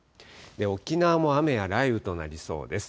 沖縄も雨や雷雨となりそうです。